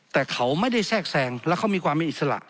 แต่เขาไม่ได้แทรกแซงแล้วเขามีความมีอิสระ